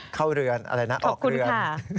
เข้าเรือนอะไรนะออกเรือน